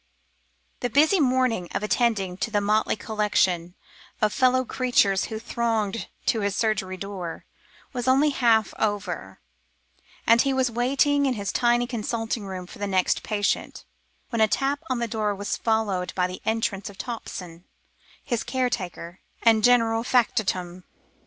The busy morning of attending to the motley collection of fellow creatures who thronged to his surgery door, was only half over; and he was waiting in his tiny consulting room, for the next patient, when a tap on the door was followed by the entrance of Thompson, his caretaker, and general factotum.